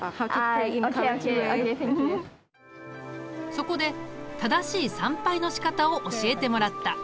そこで正しい参拝のしかたを教えてもらった。